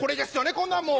こんなんもう。